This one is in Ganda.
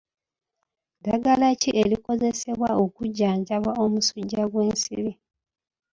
Ddagala ki erikozesebwa okujjanjaba omusujja gw'ensiri?